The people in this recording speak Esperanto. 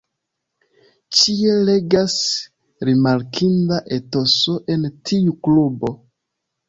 Ĉie regas rimarkinda etoso en tiu klubo.